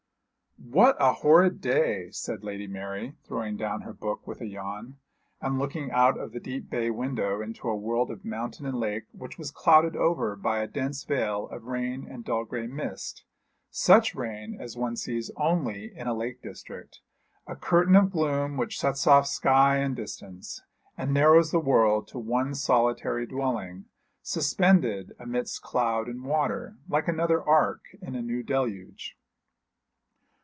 'What a horrid day!' said Lady Mary, throwing down her book with a yawn, and looking out of the deep bay window into a world of mountain and lake which was clouded over by a dense veil of rain and dull grey mist; such rain as one sees only in a lake district, a curtain of gloom which shuts off sky and distance, and narrows the world to one solitary dwelling, suspended amidst cloud and water, like another ark in a new deluge.